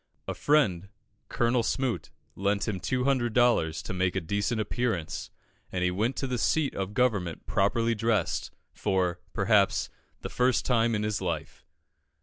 A friend, Colonel Smoot, lent him 200 dollars to make a decent appearance, and he went to the seat of government properly dressed, for, perhaps, the first time in his life.